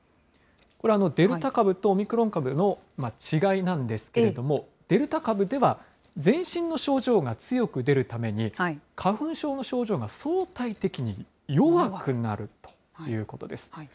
これ、デルタ株とオミクロン株の違いなんですけれども、デルタ株では全身の症状が強く出るために、花粉症の症状が相対的に弱くなるということです。